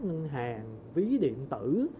ngân hàng ví điện tử